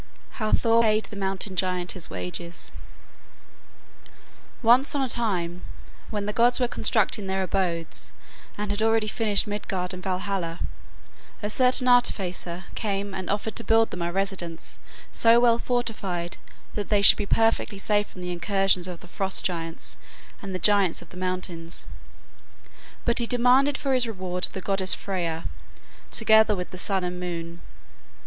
HOW THOR PAID THE MOUNTAIN GIANT HIS WAGES Once on a time, when the gods were constructing their abodes and had already finished Midgard and Valhalla, a certain artificer came and offered to build them a residence so well fortified that they should be perfectly safe from the incursions of the Frost giants and the giants of the mountains. But he demanded for his reward the goddess Freya, together with the sun and moon.